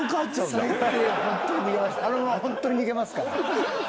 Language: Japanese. あのままほんとに逃げますから。